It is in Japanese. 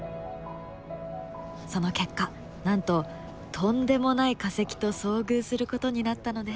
その結果なんととんでもない化石と遭遇することになったのです。